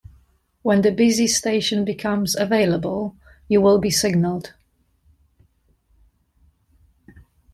When the busy station becomes available, you will be signaled.